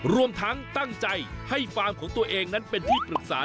รวมทั้งตั้งใจให้ฟาร์มของตัวเองนั้นเป็นที่ปรึกษา